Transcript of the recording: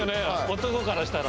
男からしたら。